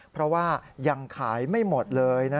เพราะว่ายังขายไม่หมดเลย